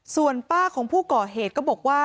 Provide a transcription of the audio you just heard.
ส่วนป้าของผู้ก่อเหตุก็บอกว่า